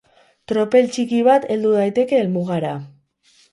Tropel txiki bat heldu daiteke helmugara.